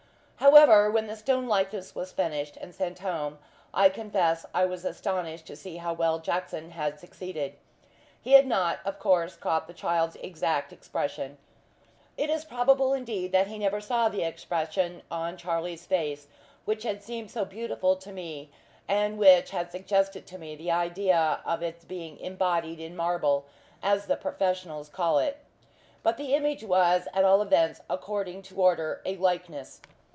However, when the "stone likeness" was finished and sent home, I confess I was astonished to see how well Jackson had succeeded. He had not, of course, caught the child's exact expression. It is probable, indeed, that he never saw the expression on Charlie's face, which had seemed so beautiful to me, and which had suggested to me the idea of its being "embodied in marble," as the professionals call it. But the image was at all events, according to order, a "likeness."